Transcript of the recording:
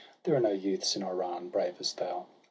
There are no youths in Iran brave as thou.'